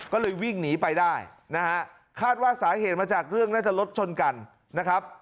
ก็เลยวิ่งหนีไปได้นะฮะคาดว่าสาเหตุมาจากเรื่องน่าจะรถชนกันนะครับ